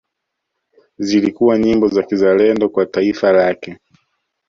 Zilikuwa nyimbo za kizalendo kwa taifa lake